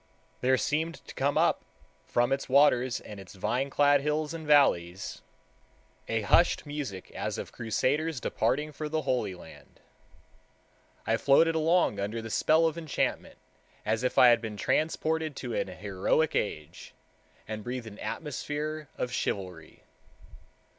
There seemed to come up from its waters and its vine clad hills and valleys a hushed music as of crusaders departing for the Holy Land. I floated along under the spell of enchantment, as if I had been transported to an heroic age, and breathed an atmosphere of chivalry.